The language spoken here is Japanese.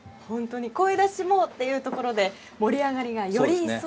声出しもというところで盛り上がりがより一層。